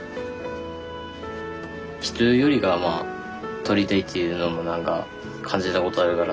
人よりかはまあ取りたいっていうのもなんか感じたことあるから。